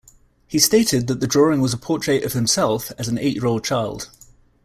He stated that the drawing was a portrait of himself as an eight-year-old child.